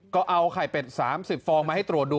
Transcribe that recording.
ก็เอาไข่เป็ดไฟล์สิบฟองมาให้ตรวจดู